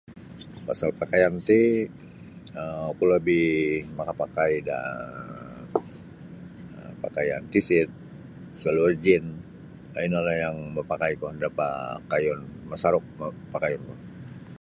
Pasal pakaian ti um oku labih makapakai da pakaian tisit saluar jen um inolah yang mapakaiku da pakayun masaruk pakayunku.